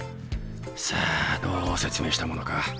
さあどう説明したものか。